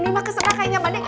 ini mah keserakainya bandi